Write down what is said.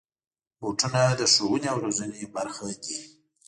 بوټونه د ښوونې او روزنې برخه دي.